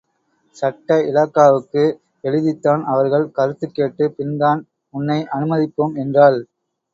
சட்ட இலாக்காவுக்கு எழுதித்தான் அவர்கள் கருத்துக் கேட்டுப் பின்தான் உன்னை அனுமதிப்போம் என்றாள்.